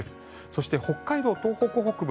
そして北海道・東北北部